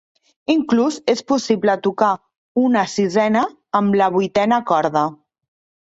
Inclús és possible tocar una sisena amb la vuitena corda.